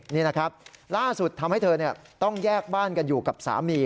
นี่นะครับล่าสุดทำให้เธอต้องแยกบ้านกันอยู่กับสามี